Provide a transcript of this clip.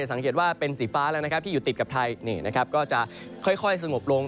สังเกตว่าเป็นสีฟ้าแล้วที่อยู่ติดกับไทยก็จะค่อยสงบลง